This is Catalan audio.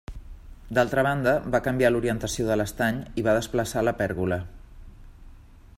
D'altra banda, va canviar l'orientació de l'estany i va desplaçar la pèrgola.